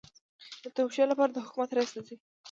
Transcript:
د توشیح لپاره د حکومت رئیس ته ځي.